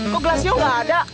kok glasio gak ada